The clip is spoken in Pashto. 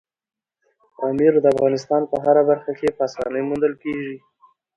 پامیر د افغانستان په هره برخه کې په اسانۍ موندل کېږي.